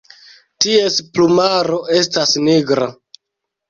Ties plumaro estas nigra.